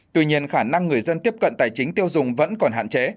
tuy nhiên khả năng người dân tiếp cận tài chính tiêu dùng vẫn còn hạn chế